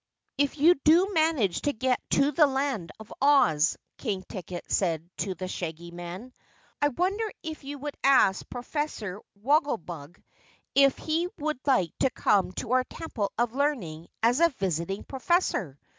"If you do manage to get to the Land of Oz," King Ticket said to the Shaggy Man, "I wonder if you would ask Professor Wogglebug if he would like to come to our Temple of Learning as a visiting Professor?